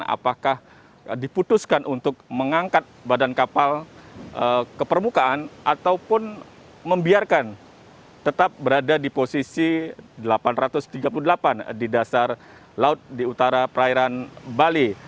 apakah diputuskan untuk mengangkat badan kapal ke permukaan ataupun membiarkan tetap berada di posisi delapan ratus tiga puluh delapan di dasar laut di utara perairan bali